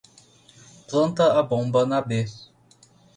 Planta a bomba na B